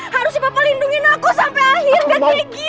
harusnya bapak lindungi aku sampai akhir gak kayak gini